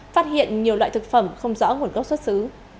phát hiện nhiều loại thực phẩm không rõ nguồn gốc xuất xứ